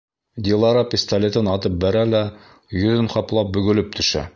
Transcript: Дилара пистолетын атып бәрә лә йөҙөн ҡаплап бөгөлөп төшә.